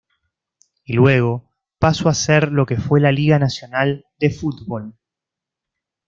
Y luego paso a ser lo que fue la Liga Nacional de Football.